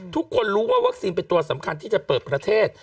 ทุกคนรู้ว่าวัคซีนเป็นตัวสำคัญที่จะเปิดประเทศ